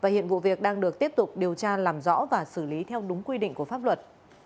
hiện vụ việc đang được tiếp tục điều tra làm rõ và xử lý theo đúng quy định của pháp luật